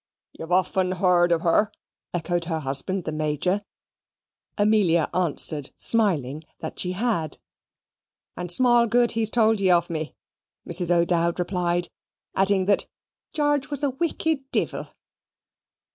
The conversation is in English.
"You've often heard of her," echoed her husband, the Major. Amelia answered, smiling, "that she had." "And small good he's told you of me," Mrs. O'Dowd replied; adding that "George was a wicked divvle."